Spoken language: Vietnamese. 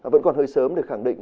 vẫn còn hơi sớm để khẳng định